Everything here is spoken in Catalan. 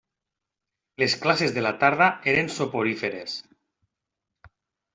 Les classes de la tarda eren soporíferes.